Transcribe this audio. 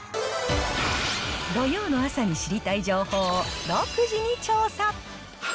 土曜の朝に知りたい情報を独自に調査。